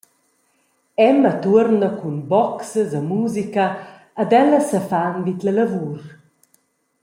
Emma tuorna cun boxas e musica ed ellas sefan vid la lavur.